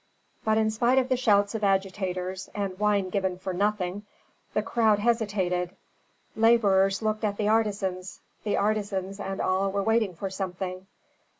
But in spite of the shouts of agitators, and wine given for nothing, the crowd hesitated. Laborers looked at the artisans; the artisans and all were waiting for something.